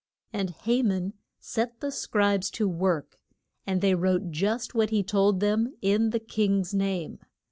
And Ha man set the scribes to work, and they wrote just what he told them, in the king's name.